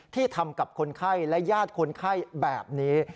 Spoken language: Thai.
ที่ทำกับคนไข้และญาติคนไข้แบบนี้